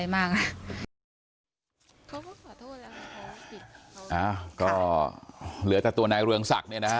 เอ้าก็เหลือแต่ตัวนายเรืองศักดิ์เนี่ยนะครับ